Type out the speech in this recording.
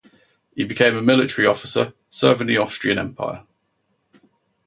He became a military officer, serving the Austrian Empire.